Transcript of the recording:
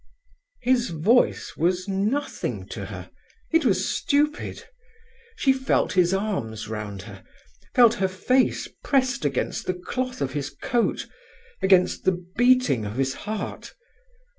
His voice was nothing to her—it was stupid. She felt his arms round her, felt her face pressed against the cloth of his coat, against the beating of his heart.